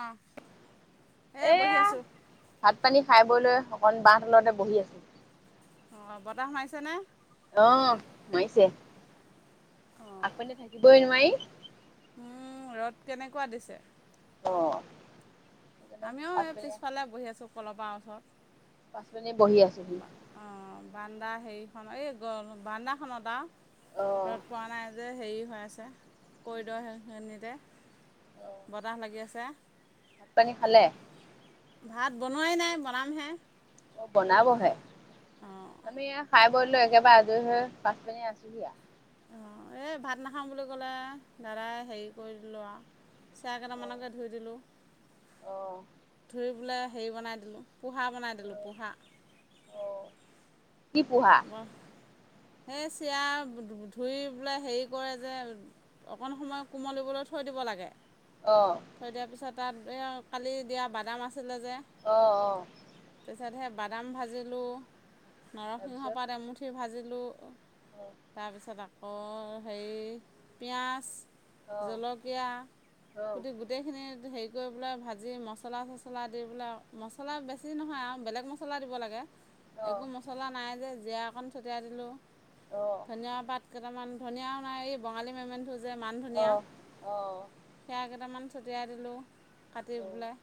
অ', এই বহি এয়া আছোঁ। ভাত, পানী খাই বলৈ অকন বহ লতে, বহি আছিলো। অ, বতাহ মাৰিছে নে। অ, মাৰিছে অ', আকনিতে থাকিবই নোৱাৰি। উম, ৰদ কেনেকুৱা দিছে। অ আমিও স, পাছপিনে পিছফালে বহি আছোঁ, কলবাৰ ওচৰত। পাছপিনে বহি আছোহি অ, বান্দা হেৰিখন এই, গ, বান্দাখনত আৰু অহ ৰ'ত পোৱা নাই যে হেৰি খ, আছে। কৰিডৰখিনিতে অহ বতাহ লাগি আছে। ভাত, পানী খালে? ভাত বনোৱাই নাই বনামহে। অ, বনাবহে অ', আমি খাই কৰিলো, একেবাৰে আজৰি হৈ পাচ পানী আছোহিয়া। অ, এই ভাত নাখাম বুলি ক'লে দাদাই হেৰি কৰি দিলো আৰু। চে, কেইটামানকে ধুই দিলো। অ ধুই বলে হেৰি বনাই দিলোঁ, পোহা বনাই দিলোঁ, পোহা। অ কি পোহা? সেই চিৰা ধুই বোলে হেৰি কৰে যে, অকন সময় কোমলিবলৈ থৈ দি লাগে, অ থৈ দিয়া পাছত, কালি দিয়া বাদাম আছে অ অ তাৰত বাদাম ভাজিলোঁ। তাৰপিছত সিংহপাত, এমুঠি ভাজি আলু অ তাৰপিছত আকৌ হেৰি পিঁয়াজ অ জলকীয়া গোটেই, গোটেইখিনি হ কৰি পেলাই ভাজি মছলা চছলা দি পেলাই মছলা বেছি নহয় আৰু বেলেগ মছলা দিব লাগে। অ অ একো মছলা নাই যে জৰা অকণ ছটিয়াই দিলোঁ অ ধনিয়া পাত কেইটামান। ধনীয়াাও নাই, এই বঙালী মেমেণ্টো যে মান অ ধনিয় অ অ সেয়া কেইটামান। ছটিয়াই দিলোঁ, কাটি পেলাই।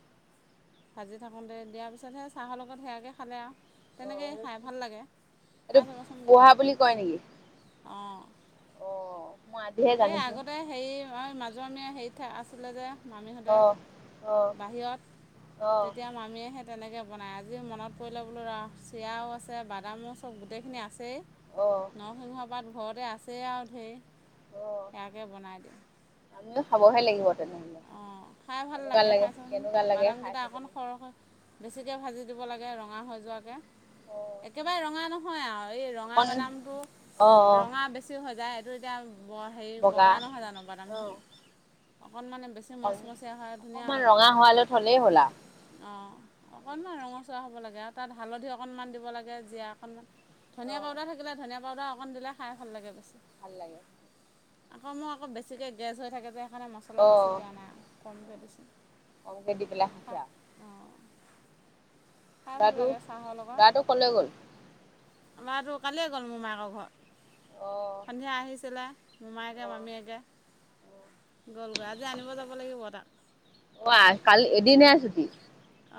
ভাজি থাকোঁতে দিয়াৰ পিছতহে চাহৰ লগত সেয়াকে খালে আৰু তেনেকেই খাই ভাল লাগে। এইটো খাই চাবাচোন পো ঘৰত বুলি কয় নেকি? অঁ অ', মই আজহে কানিছো। মাজৰম হেৰি আছিলে যে। মামীহঁতে অ', অ', বাহিৰত অ', তেতিয়া মামীয়েহঁ তেনেকৈ বনায় আজিও মনত পৰিলে বোলো ৰ, চিৰাও আছে, বাদামো চব গোটেইখিনি আছেই। অ', নৰসিংহ পাত ঘৰতে আছেই আৰু ঢেৰ। অ', ইয়াকে বনাই দিও। নে, কেনেকুৱা লাগে খাই চাচোন কেনেকুৱা লাগে, খাই বাদামকেইটা অকণ থাকলৈ। সৰহকৈ বেছিকৈ ভাজি দিব লাগে, ৰঙা হৈ যোৱাকৈ, অ', একেবাৰে ৰঙা নহয় আৰু। এই ৰঙা অকণ বাদামটো, অ', অ', ৰঙা বেছি হৈ যায়, এইটো এতিয়া ব হেৰি বগা নহয় জানো অ', বাদামখিনি। অকণ মানে বেছি মচমচীয়া হয় ধুনীয়া অকণমান লাগে ৰঙা খায়। হোৱালৈ থ'লেই হ'ল অ'। আৰু অকনমান ৰঙচুৱা হ'ব লাগে, আৰু তাত হালধি অকনমান দিব লাগে, জীয়া অকনমান ধনীয়া অ', পাউদাৰ থাকিলে ধনীয়া পাউদাৰ অকণ দিলে খাই ভাল লাগে বেছি। ভাল লাগে। আকৌ মো আকৌ বেছিকে গেছ হৈ থাকে যে সেইকাৰণে মছলা বেছি অ', দিয়া নাই, কমকে দিছোঁ। কমকে দি পেলাই খাই খাইছা। অঁ খাই ভাল ল'ৱাটো, লাগে ল'ৱাটো কলৈ গ'ল? আমাটো কালিয়ে গ'ল মোমায়েকৰ ঘৰ। অ', সন্ধিয়া আহিছিলে, মোমায়েকে অ', মামীয়েকে। গলগৈ। আজি আনিব যাব লাগিব তাক। অ', আ কালি এদিনহে ছুটি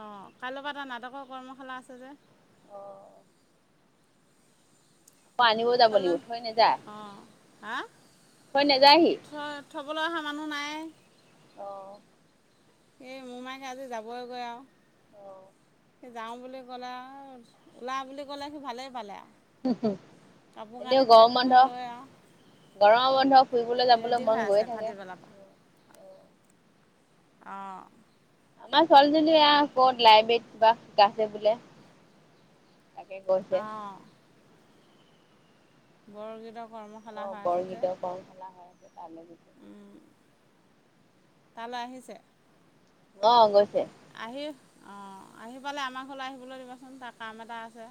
অ', কাইলৈৰ পৰা তাৰ নাটকৰ কৰ্মশালা আছে যে। অ'। আকৌ আনিবও যাব লাগিব, ছোৱালীজন থৈ নাযায়, অঁ হা থৈ নাযায়হি? থ থ'বলৈ অহা মানুহ নাই। অ'। এই, মোমায়েক আজি যাবইগৈ আৰু। অ'। সি যাওঁ বুলি ক'লে আৰু ওলা বুলি ক'লে, সি ভালেই পালে আও। এনেও গৰম কৰি বন্ধ। লৈ আৰু গৰমৰ বন্ধ ফুৰিবলৈ যাবলৈ ৰেডি হৈ মন আছে গৈয়ে থাকে। ভাটিবেলাৰ অ'। আমাৰ ছোৱালীজনী আও ক'ত লাইবেৰীত কিবা শিকাইছে বোলে। তাকে গৈছেে। বৰগীতক অ', বৰগীতৰ কৰ্মশালা হৈ আছে তালৈ গ তালৈ আহিছে? অ', গৈছে। আহি, অ', আহি পালে আমাৰ ঘৰলৈ আহিবলৈ দিবাচোন তাৰ কাম এটা আছে।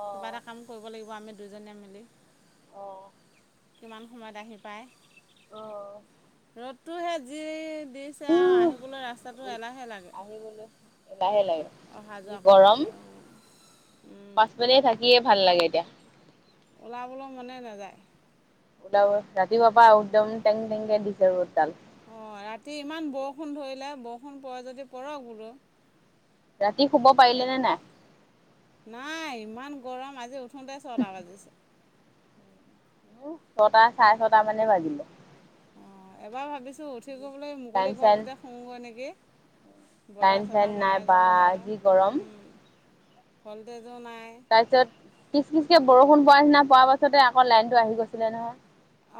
অ কিবা এটা কাম কৰিব লাগিব আমি দুইজনীয়ে মিলি। অ কিমান সময়ত আহি পায়! অ'। অ'দটোহে যি দিছে আৰু উহ আহিবলৈ ৰাস্তাটো এলাহে লাগে। লাহে লাগে। অহা যি যোৱা গৰম, কৰিবলৈ অঁ পাছপিনে থাকিয়ে ভাল লাগে এতিয়া। ওলাবলৈ মনে নেযায়। ওলাবই। ৰাতিপুৱা পা আও একদম টেং টেংকে দিছে ৰ'দ। অ', ৰাতি ইমান বৱষুণ ধৰিলে বৱষুণ পৰে যদি পৰক বোলো। ৰাতি শুব পাৰিলেনে নাই? নাই ইমান গৰম আজি উঠোংতে ছটা বাজিছে। মোহ ছটা চাৰে ছটা মানে বাজিলে। অ', এবাৰ ভাবিছো, উঠি গৈ পেলাই লাইন মুকলি চাইন ঘৰটোতে শুওঁগৈ নেকি! লাইন বতাহ চাইন চতাহ নাই মাৰে বা যদি যি মাৰক। গৰম উ, ভল্টেজ তাইছত, পিচ পিচ কে বৰষুণ পৰা নিচিনা পৰা পাছতে আকৌ লাইনটো আহি গৈছিলে নহয়।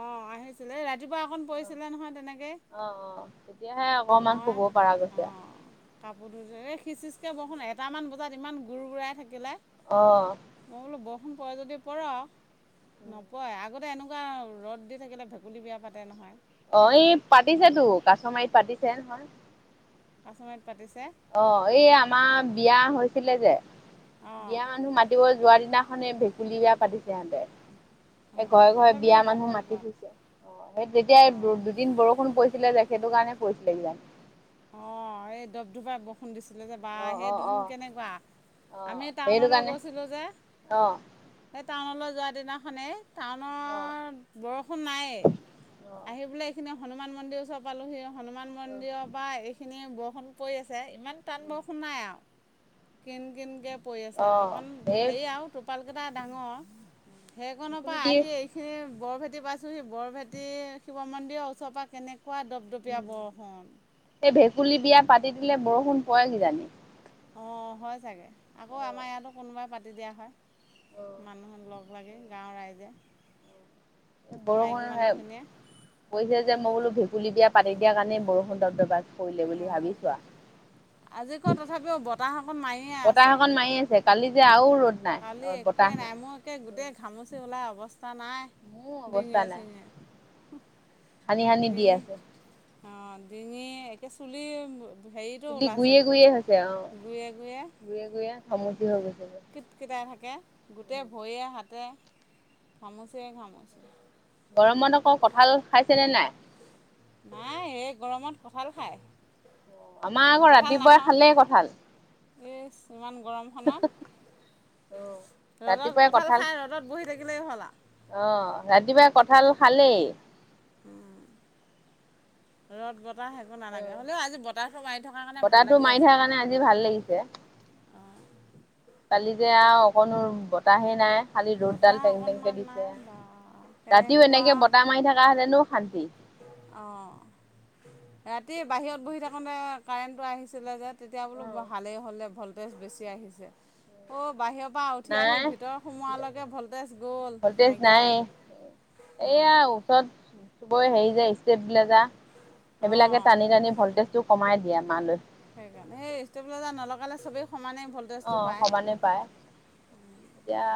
অ', আহিছিলে, এই ৰাতিপুৱা অকণ পৰিছিলে নহয় তেনেকেই। অ অ তেতিয়াহে অকমান শুব পৰা গৈছে আও। [unintelligible] এই সিচ সিচকৈ বৰষুন এটামান বজাত ইমান গুৰ-গুৰাই থাকিলে। অ'। [unintelligible] পৰে যদি পৰক। নপয়ে, আগতে এনেকুৱা ৰ'দ দি থাকিলে ভেকুলী বিয়া পাতে নহয়। অ', এই পাতিছেতো আগতে কাছমাৰীত পাতিছে। কাছত অ', এই আমাৰ বিয়া হৈছিলে যে অঁ বিয়া মানুহ মাতিব যোৱাৰ দিনা খানে ভেকুলী পাতিছে সেহঁতে। এ অঁ ঘৰে ঘৰে তথাপিও বিয়া মানুহ বৰষুণ মাতি পোৱা নাই ফুছে অ', সেই যেতিয়া অঁ দুদিন বৰষুণ পৰিছিলে যে সেইটো কাৰণে [unintelligible] যাম। অ', এই দব দুব বৰষুণ দিছে। বা অ সেই অ দুদিন অ কেনেকুৱা অ আমি সেইটো টাউনলৈ কাৰণে গৈছিলোঁ যে অ', সেই টাউনলৈ যোৱা দিনাখনে অ', টাউনৰ বৰষুণ নাই অ', আহি পেলায় হনুমান মন্দিৰ ওচৰত পালোঁহি হনুমান মন্দিৰৰ এইেইখিনি বৰষুণ পৰি আছে ইমান টান বৰষুণ নাই আ কিন কিনকে পৰি আছে অ', অকণ সেই হেৰি আৰু টোপালকেইটা ডাঙৰ। সেইখনৰ ভেকুলী পৰা দি আহি এইখিনি বৰভেটি পাইছোঁ সি বৰভেটি শিৱ মন্দিৰৰ ওচৰ পৰা কেনেকুৱা দপদপীয়া বৰষুণ। সেই ভেকুলী বিয়া পাতি দিলে বৰষুণ প কিজানি। অ', হয় চাগে আকৌ আমাৰ ইয়াতো কোনোবাই পাতি দিয়া হয়, মানুহৰ লগ লাগে গাঁওৰ ৰাইজে মাইকী বৰষুণ হে মানুহখিনিয়ে পছে যে মই [unintelligible] পুলি দিয়া পাতি দিয়াৰ কাৰণেই বৰষুণ দ্ৰব্যৱ কৰিলে বুলি অঁ ভাবিছোঁ আ আজি ক তথাপিও বতাহ অকণ মাৰিয়ে আছে এতিয়া আৰু ৰ'দ নাই কালি অ', একোৱে বতাহ নাই মই একে গোটেই ঘামচি ওলাই তা নাই মোৰ অৱস্থা ডিঙিয়ে নাই চিঙিয়ে। সানি সানি দিয়ে। অ', ডিঙি একে চুলি হেৰিটো চুলি গুৰিয়ে, ওলাইছেগৈ গুৰিয়ে হৈছে অ', গুৰিয়ে, গুৰিয়ে ঘামচি হৈ গৈছে। কিটকিটাই থাকে গোটেই ভৰিয়ে হাত তাতে ঘামুচিয়ে ঘামুচি গৰমত আকৌ কঁঠাল খাইছেনে নাই? নাই এই গৰমত কঁঠাল খাইছো। আমাৰ আকৌ ৰাতিপুৱাই খালে কঁঠাল। এইচ ইমান গৰমখনত। ৰ'দত কঁঠাল খাই ৰ'দত বহি থাকিলেই হ'লা। অ' ৰাতিপুৱাই কঁঠাল খালি। ৰ'দ বত বতাহ একো নালাগে হ'লেও আজি বতাহটো মাৰি থকাৰ কাৰণে ভাল বতাহটো লাগি মাৰি আছে থকাৰ কাৰণে আজি ভাল অকণমান। লাগিছে। অ' কালি যে আৰু অকণো বতাহে নাই। খালি ৰ'দডাল বতাহ টেং টেংকে অকণমান নাই দিছে, বা ৰাতিও কেনেকুৱা এনেকে বতাহ মাৰি থকা হতেনো শান্তি। অ'। ৰাতি বাহিৰত বহি থাকোতে কাৰেণ্টটো আহিছিলে যে তেতিয়া বোলো ভালেই হ'লে ভল বেছ বেছি আহিছে, অ', বাহিৰৰ পৰা আহি উঠি নাই আহি ভিতৰ হোমোৱালৈকে ভল্টেজ গ'ল ভল্টেজ নাই নাইকিয়াই এইয়া অ'। ওচৰত চবৰে হৈ যায় ষ্টেপলেজাৰ সেইবিলাকে অ' টানি টানি ভল্টেজ টো কমাই দিয়ে আমালৈ। সেইকাৰণে, এই ষ্টেপলেজাৰ নলগালে চবে অ', সমানে পায় এতিয়া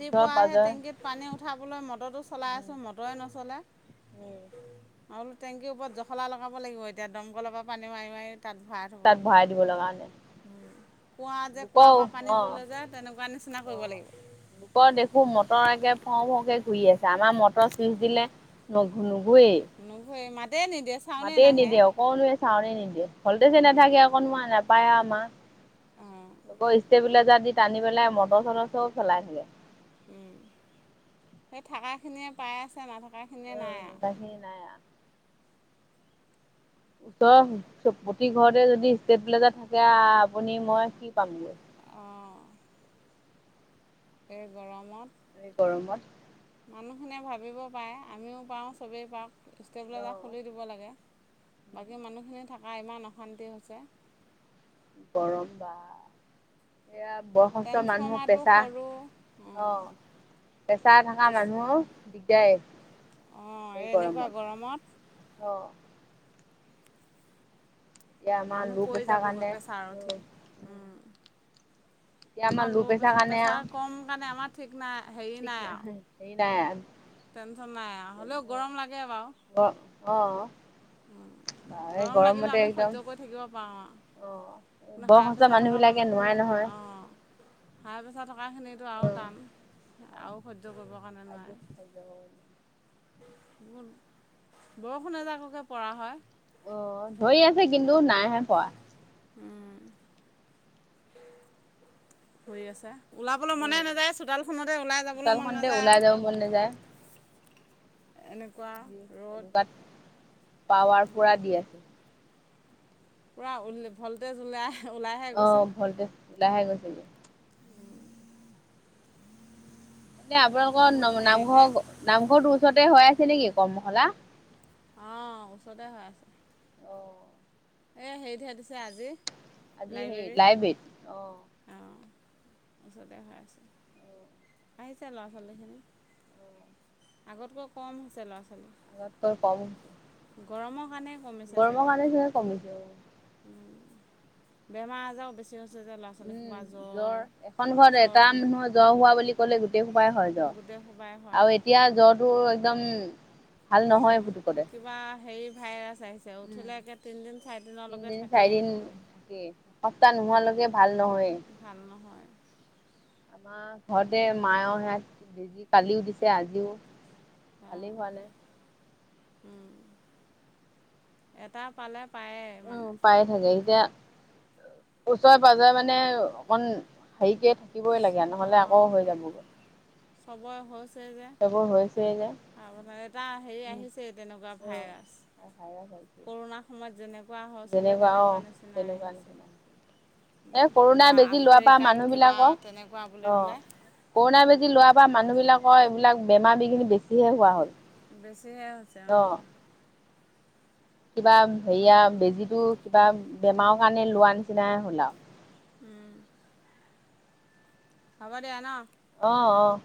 ওচৰ পাজৰে টেংকিত পানী উঠাবলৈ ম'টৰটো চলাই উম, আছো ম'টৰে নচলে। উম। আৰু লু টেংকিৰ ওপৰত জখলা লগাব লাগিব এতিয়া দমকলৰ পৰা পানী মাৰি মাৰি তাত ভৰাই তাত থ'বলৈ ভৰাই দিব লগা হলে উম। কুঁৱা যে, লোকৰ কুঁৱাৰপা পানী অ তোলে যে, তেনেকুৱা নিচিনা অ কৰিব লাগিব। লোকৰ দেখো মটৰ একে ফ, ফকে, ঘূৰি আছে। আমাৰ মটৰ চুইচ দিলে ন, ঘূ নুঘূৰে, মাতে নিদিযয়ে। মাতেই নিদিয়ে অকণোৱে চাউনে নিদিয়ে, ভলটেজে নাথাকে অকণো নাপায় আমাৰ। অঁ লোকৰ ষ্টেবিলাইজাৰ দি টানি পেলাই মটৰ চটৰ চ'ব চলাই থাকে। হুম, হেই, থাকাখিনিয়ে পাই আছে, নাথা উম, বাহিৰ নাই আ ওচৰৰ প্ৰতি ঘৰতে যদি ষ্টেট প্লেজাৰ থাকে আ-আপুনি মই কি পামগৈ? অঁ এই গৰমত এই গৰমত মানুহখিনিয়ে ভাবিব পাৰে আমিও পাওঁ চবেই পাওক। অ ষ্টেবলেজাৰ খুলি দিব লাগে। বাকী মানুহখিনি থাকা ইমান অশান্তি হৈছে। গৰম বা এয়া বয়সস্থ মানুহক ট্ৰেন্সফৰ্মাৰটো পেচা সৰু অ, পেচাৰ থকা মানুহো দিগদাৰে। অ, এই এনেকুৱা গৰমত অ'। এতিয়া আমাৰ মানুহ ল' পৰি প্ৰেছাৰ যাবগৈ কাৰণে পেছাৰ উঠি, উম। এতিয়া আমাৰ ল' প্ৰেছাৰ ল'প্ৰেচাৰ কাৰণে আৰু প্ৰেচাৰ কম কাৰণে আমাৰ ঠিক নাই। ঠিক নাই, হেৰি নাই আৰু। টেনচন নাই, হলেও গৰম লাগে বাৰু। অ উম, এই গৰম লাগিলে গৰমতে আমি একদম সহ্য কৰি থাকিব পাৰোঁ অ আৰু। হাই বয়সস্থ প্ৰেছাৰ মানুহ থকা বিলাকে নোৱাৰে মানুহখিনে, নহয় অ, হাই প্ৰেছাৰ ককাখিনো আৰু টান আৰু সহ্য কৰিবৰ কাৰণে নোৱাৰে। বৰষুণ এজাককে পৰা হয়। অ, ধৰি আছে কিন্তু নাইহে পোৱা। হয় হৈু আছা। ওলাবলৈ মনে উম নাযায়, চোডালখনতে ওলাই যাবলৈ মন চোতালখনতে নাযায় ওলাই যাব মন আৰু। নাযায় এনেক এনেকুৱাত পাৱাৰ পুৰা দি আছে। পুৰাল ভল্টেজ ওলাই, ওলাইহে গৈছে। দাহে, গৈছিলো। এয়া আপোনালোকৰ বহুত ন, হেৰিকৈ নামঘৰ, নামঘৰটোৰ ওচৰতে হৈ আছে, নেকি কৰ্মশালা। আহ, ওচৰতে হৈ আছে। অ' এ, হেৰিতে দিছে আজি। আজি হেই, লাইব্ৰেৰীত লাই, বেট অ'। অঁ ওচৰতে খাই আছো, আহিছে ল'ৰা, ছোৱালীখিনি আগতকৈ কম হৈছে ল'ৰা, ছোৱালী। আৰ তোৰ কম গৰমক গৰম কালে ধে, কমিছে। উম, বেমাৰ, আজাৰ বেছি। যে ল'ৰা ছোৱালী উম, সোপা জ্বৰ এখন ঘৰত এটা চৰ্দি মানুহৰ জ্বৰ হোৱা বুলি ক'লে গোটেই সোপাই হয়। গোটেই সোপাই আৰু হয় এতিয়া জ্বৰটো একদম। ভাল নহয় পুতুকতে। কিবা হে, ভছ, উ। উম, তিনদিন, চাৰিদিন থাকে। সপ্তাহ নোহোৱালৈকে ভাল নহয়। ভাল নহয় আমাৰ ঘৰতে অঁ মায়ৰ সিহঁত বেজি কালিও দিছে। আজিও ভালেই হোৱা নাই। উম, এটা পালে পায়ে উম, মানে পাই থাকে, এতিয়া। ওচৰে, পাজৰে মানে অকন হেৰিকে থাকে। থাকিবই লাগে, নহ'লে আকৌ হৈ যাবগৈ। সবৰে সহজ এইবোৰ হৈছে যে। এটা হেৰি আহিছে তেনেকুৱা ভাইৰাছ। কৰোণাৰ সময়ত যেনেকুৱা তেনেকুৱা নিচিনাই আহিছে। এ কৰোণা কিবা বেজি লোৱাৰ পৰা আফ্ৰিকান মানুহ কিবা বিলাকৰ, তেনেকুৱা বুলি অ পেলাই কৰোণা বেজি লোৱাৰ প মানুহ বিলাকৰ এইবিলাক বেমাৰ-বিঘিনি বেছি হে হোৱা হ'ল। বেছি হে হৈছে অ। কিবা হেৰিয়া বেজিটো কিবা বেমাৰৰ কাৰণে লোৱাৰ নিচিনাই হ'ল আৰু। উম। হ'ব দিয়া ন। আহ আহ।